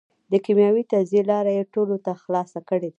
د کېمیاوي تجزیې لاره یې ټولو ته خلاصه کړېده.